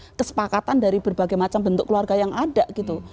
berbagai macam komitmen dan kesepakatan dari berbagai macam bentuk keluarga yang ada gitu